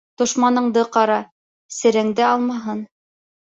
Дошманыңды ҡара: сереңде алмаһын.